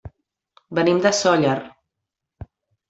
Venim de Sóller.